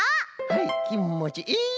はいきもちいい！